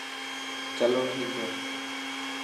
چلو ٺيڪ هي.